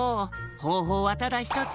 ほうほうはただひとつ。